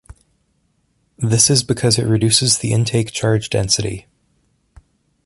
This is because it reduces the intake charge density.